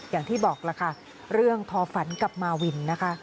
อย่างที่บอกล่ะค่ะเรื่องทอฝันกับมาวินนะคะ